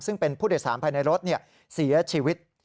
ซึ่งเป็นผู้โดยสารภายในรถเสียชีวิต